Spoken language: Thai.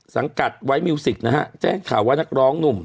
สังกัดไว้มิวสิกนะฮะแจ้งข่าวว่านักร้องหนุ่ม